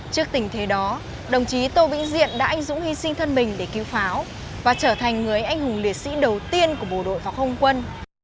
trước tình thế đó đồng chí tô vĩnh diện đã anh dũng hy sinh thân mình để cứu pháo và trở thành người anh hùng liệt sĩ đầu tiên của bộ đội pháo không quân